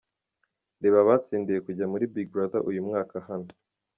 Reba abatsindiye kujya muri Big Brother uyu mwaka hano.